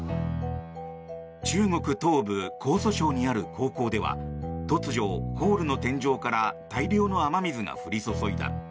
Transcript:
中国東部、江蘇省にある高校では突如、ホールの天井から大量の雨水が降り注いだ。